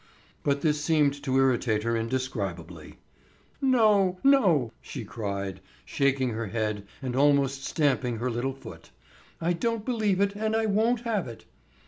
But this seemed to irritate her indescribably. "No, no," she cried, shaking her head and almost stamping her little foot. "I don't believe it and I won't have it!"